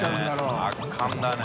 佑圧巻だね。